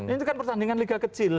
itu kan pertandingan liga kecil